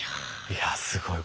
いやすごい。